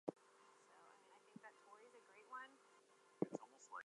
Adult female leaders wear ash color saree with deep navy blue blouse.